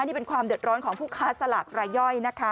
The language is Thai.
นี่เป็นความเดือดร้อนของผู้ค้าสลากรายย่อยนะคะ